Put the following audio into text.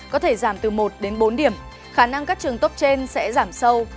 có thể giảm từ một đến bốn điểm khả năng các trường tốt trên sẽ giảm sâu